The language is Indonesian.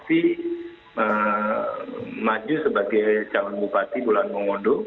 tapi kemudian yassi maju sebagai calon bupati gulaan mongondo